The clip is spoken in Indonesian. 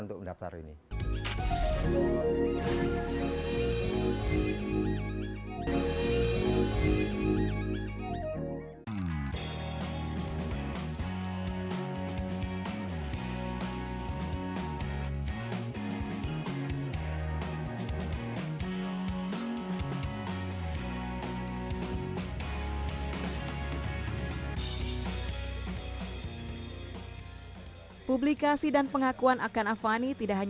untuk apalagi di bali untuk sampah plastik ini